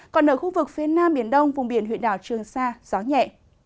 còn ở khu vực phía nam biển đông vùng biển huyện đảo trường sa gió nhẹ